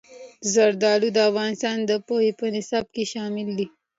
زردالو د افغانستان د پوهنې په نصاب کې شامل دي.